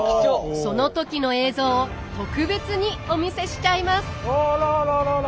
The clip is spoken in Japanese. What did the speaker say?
その時の映像を特別にお見せしちゃいます！